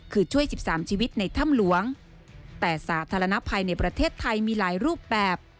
คือช่วย๑๓ชีวิตในถ้ำหลวงแต่สาธารณภัยในประเทศไทยมีหลายรูปแบบ